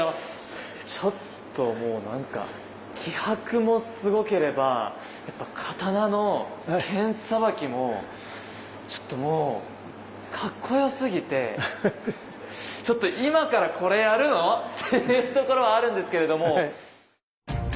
ちょっともうなんか気迫もすごければ刀の剣さばきもちょっともうかっこよすぎてちょっと今からこれやるの？っていうところあるんですけれども。